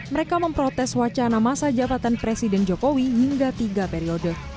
mereka memprotes wacana masa jabatan presiden jokowi hingga tiga periode